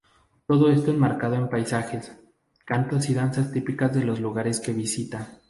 Todo esto enmarcado en paisajes, cantos y danzas típicas de los lugares que visita.